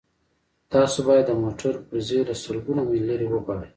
تاسو باید د موټر پرزې له سلګونه میله لرې وغواړئ